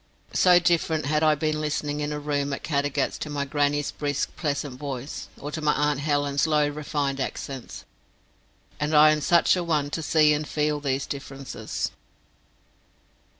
So different had I been listening in a room at Caddagat to my grannie's brisk pleasant voice, or to my aunt Helen's low refined accents; and I am such a one to see and feel these differences.